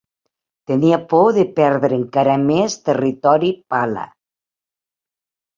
Tenia por de perdre encara més territori Pala.